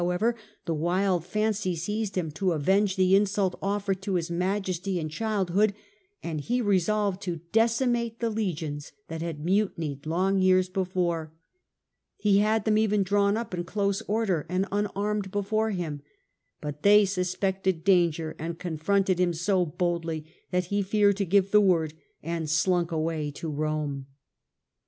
d . 37 4*. however, the wild fancy seized him to avenge the insult offered to his majesty in childhood, and he resolved to decimate the legions that had mutinied long years before. He had them even drawn up in close order and unarmed before him, but they suspected danger and confronted him so boldly that he feared to give the word and slunk away to Rome.